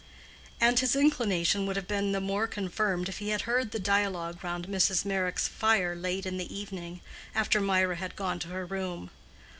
And his inclination would have been the more confirmed if he had heard the dialogue round Mrs. Meyrick's fire late in the evening, after Mirah had gone to her room.